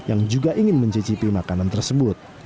yang juga ingin mencicipi makanan tersebut